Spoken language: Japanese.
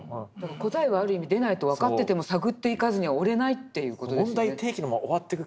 答えはある意味出ないと分かってても探っていかずにはおれないという事ですよね。